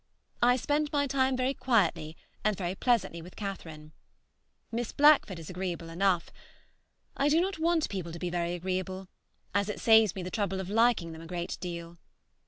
I spent my time very quietly and very pleasantly with Catherine. Miss Blackford is agreeable enough. I do not want people to be very agreeable, as it saves me the trouble of liking them a great deal.